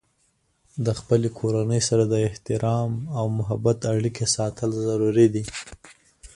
د خپلې کورنۍ سره د احترام او محبت اړیکې ساتل ضروري دي.